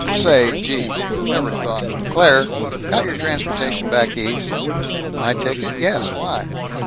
"Say! Gee! Never thought Claire! Got your transportation back East?" "My ticket? Yes. Why?"